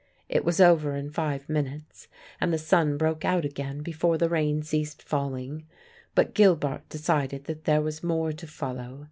It was over in five minutes, and the sun broke out again before the rain ceased falling; but Gilbart decided that there was more to follow.